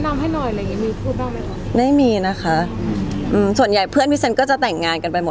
จริงจริงอย่างเพื่อนเพื่อนของคุณเซ็นเขามีสรรค์ฮ้อเห้ยแน่นอนรักแนะนำให้หน่อย